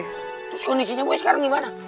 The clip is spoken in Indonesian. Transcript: terus kondisinya bu sekarang gimana